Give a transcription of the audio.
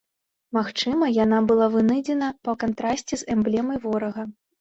Магчыма, яна была вынайдзена па кантрасце з эмблемай ворага.